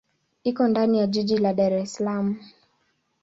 Iko ndani ya jiji la Dar es Salaam.